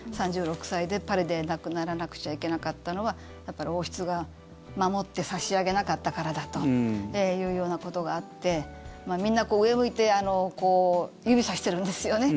３６歳でパリで亡くならなくちゃいけなかったのはやっぱり王室が守ってさしあげなかったからだというようなことがあってみんな上向いて指さしてるんですよね。